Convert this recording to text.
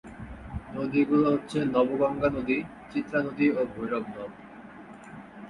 নদীগুলো হচ্ছে নবগঙ্গা নদী, চিত্রা নদী ও ভৈরব নদ।